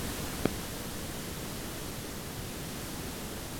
El aeródromo es administrado por Municipalidad Distrital de Puerto Bermúdez.